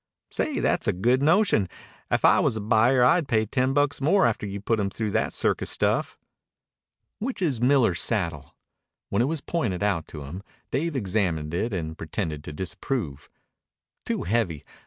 "Say, that's a good notion. If I was a buyer I'd pay ten bucks more after you'd put him through that circus stuff." "Which is Miller's saddle?" When it was pointed out to him, Dave examined it and pretended to disapprove. "Too heavy.